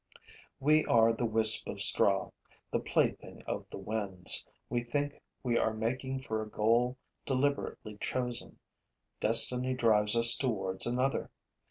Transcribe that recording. We are the wisp of straw, the plaything of the winds. We think that we are making for a goal deliberately chosen; destiny drives us towards another.